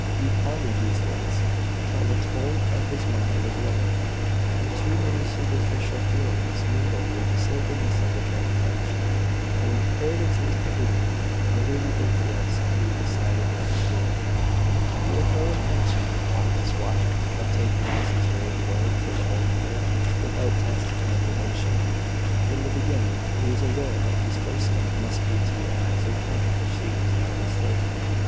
He pondered these things till the tone of his mind was lowered, and too many superficial feelings mingled with the sacredness of the transaction, and impaired its integrity. Under their influence he decided what to do. He had no intention, all this while, of taking Mrs Grey's word for the whole matter, without test or confirmation. From the beginning, he was aware that his first step must be to ascertain that she was not mistaken.